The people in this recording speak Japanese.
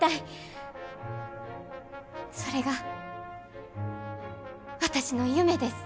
それが私の夢です。